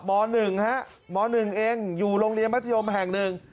หมอหนึ่งฮะหมอหนึ่งเองอยู่โรงเรียนมัธยมแห่งหนึ่ง